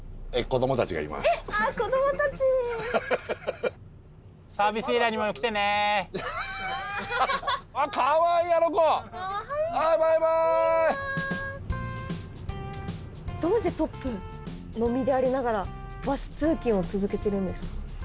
どうしてトップの身でありながらバス通勤を続けてるんですか？